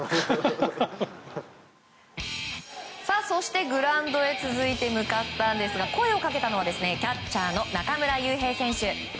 そしてグラウンドへ続いて向かったんですが声をかけたのはキャッチャーの中村悠平選手。